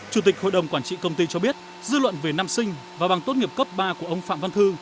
chủ tịch hội đồng quản trị công ty cho biết dư luận về năm sinh và bằng tốt nghiệp cấp ba của ông phạm văn thư